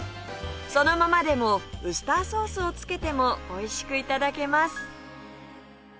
そのままでもウスターソースをつけてもおいしく頂けます